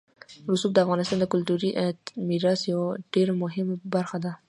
رسوب د افغانستان د کلتوري میراث یوه ډېره مهمه برخه ده.